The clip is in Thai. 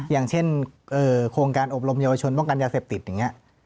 อย่างเช่นโครงการอบรมเยาวชนป้องกันยาเสพติดอย่างนี้